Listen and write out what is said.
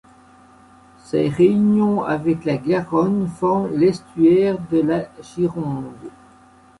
Sa réunion avec la Garonne forme l’estuaire de la Gironde.